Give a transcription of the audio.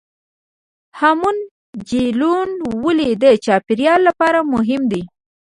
هامون جهیلونه ولې د چاپیریال لپاره مهم دي؟